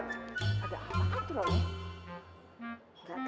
ada apaan tuh bang